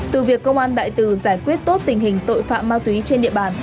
từ việc công an đại từ giải quyết tốt tình hình tội phạm ma túy trên địa bàn